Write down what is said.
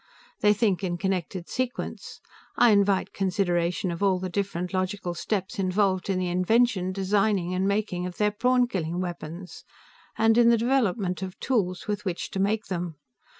They think in connected sequence; I invite consideration of all the different logical steps involved in the invention, designing and making of their prawn killing weapons, and in the development of tools with which to make them.